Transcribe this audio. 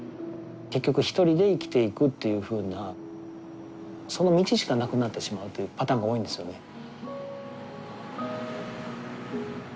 結局一人で生きていくというふうなその道しかなくなってしまうというパターンが多いんですよね。